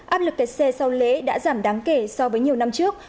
áp lực kẹt xe sau lễ đã giảm đáng kể so với nhiều năm trước